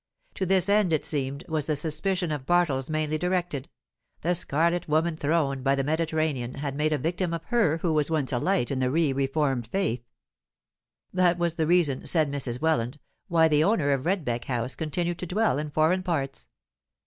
To this end, it seemed, was the suspicion of Bartles mainly directed the Scarlet Woman throned by the Mediterranean had made a victim of her who was once a light in the re reformed faith. That was the reason, said Mrs. Welland, why the owner of Redbeck House continued to dwell in foreign parts.